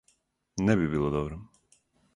Не би било добро.